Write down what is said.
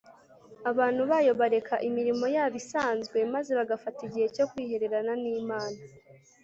. Abantu bayo bareka imirimo yabo isanzwe maze bagafata igihe cyo kwihererana n’Imana